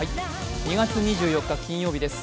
２月２４日金曜日です。